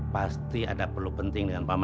pasti ada perlu pentingnya